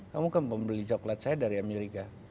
kamu kan pembeli coklat saya dari amerika